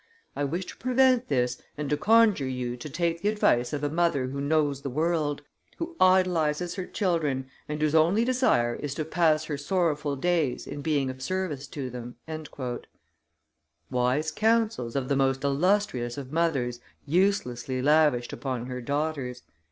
I wish to prevent this and to conjure you to take the advice of a mother who knows the world, who idolizes her children, and whose only desire is to pass her sorrowful days in being of service to them." Wise counsels of the most illustrious of mothers uselessly lavished upon her daughters!